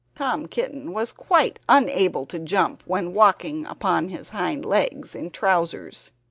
Tom Kitten was quite unable to jump when walking upon his hind legs in trousers.